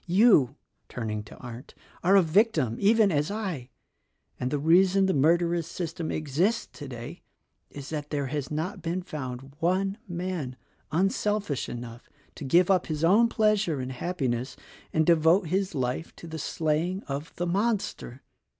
You," turning to Arndt, "are a victim, even as I; and the reason the mur derous system exists today is that there has not been found one man unselfish enough to give up his own pleas ure and happiness and devote his life to the slaying of the monster.